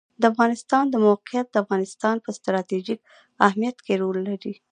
د افغانستان د موقعیت د افغانستان په ستراتیژیک اهمیت کې رول لري.